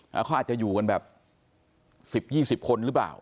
เขาอาจจะอยู่กันแบบ๑๐๒๐คนหรือเปล่า